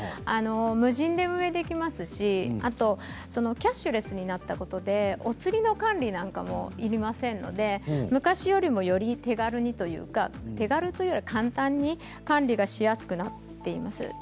無人で運営できますしキャッシュレスになったことでお釣りの管理なんかもいりませんので昔よりもより手軽にというか手軽というよりは簡単に管理がしやすくなっています。